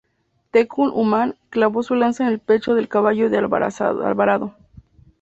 Tecún Umán clavó su lanza en el pecho del caballo de Alvarado.